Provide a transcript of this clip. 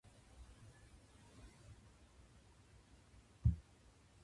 日本の主食のお米が不足気味だ